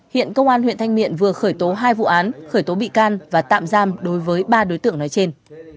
hiện công an huyện thanh miện vừa khởi tố hai vụ án khởi tố bị can và tạm giam đối với ba đối tượng nói trên